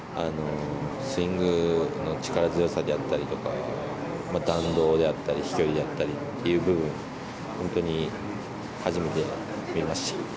スイングの力強さであったりとか、弾道であったり、飛距離だったりっていう部分、本当に初めて見ました。